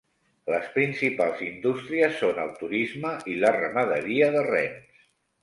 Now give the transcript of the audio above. Les principals indústries són el turisme i la ramaderia de rens.